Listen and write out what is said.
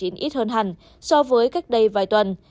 ít hơn hẳn so với cách đây vài tuần